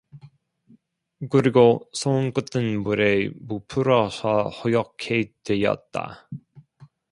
그리고 손끝은 물에 부풀어서 허옇게 되었다.